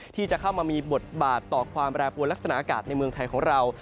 ที่จะเข้ามามีบทบาทต่อความแปรปวนลักษณะอากาศในเมืองไทยของเรา